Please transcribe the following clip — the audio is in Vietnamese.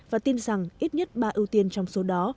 và tin rằng ít nhất ba ưu tiên trong số đó